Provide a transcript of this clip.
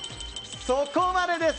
そこまでです。